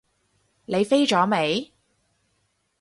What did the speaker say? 你飛咗未？